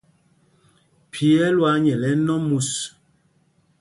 Phī ɛ́ ɛ́ lwaa nyɛl ɛnɔ mus.